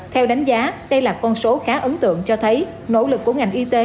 theo đánh giá đây là con số khá ấn tượng cho thấy nỗ lực của ngành y tế